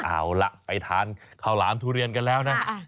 เอาล่ะไปทานข้าวหลามทุเรียนกันแล้วนะ